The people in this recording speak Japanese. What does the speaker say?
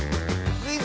「クイズ！